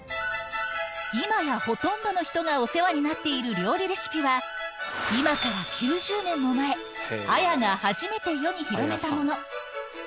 今や、ほとんどの人がお世話になっている料理レシピは、今から９０年も前、綾が初めて世に広めたもの。